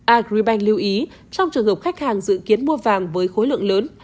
agribank lưu ý trong trường hợp khách hàng dự kiến mua vàng với khối lượng lớn